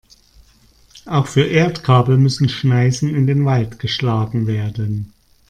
Auch für Erdkabel müssen Schneisen in den Wald geschlagen werden.